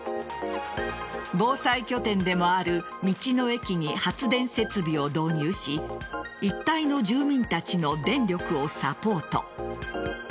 防災拠点でもある道の駅に発電設備を導入し一帯の住民たちの電力をサポート。